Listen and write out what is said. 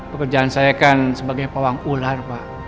pekerjaan saya kan sebagai pawang ular pak